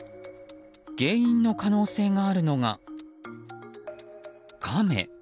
原因の可能性があるのがカメ。